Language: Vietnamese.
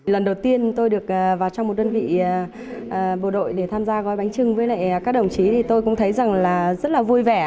lần đầu tiên tôi được vào trong một đơn vị bộ đội để tham gia gói bánh trưng với các đồng chí tôi cũng thấy rất vui vẻ